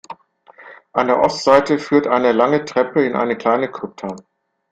An der Ostseite führt eine lange Treppe in eine kleine Krypta.